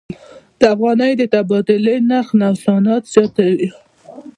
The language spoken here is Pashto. د افغانۍ د تبادلې نرخ نوسانات زیاتوي.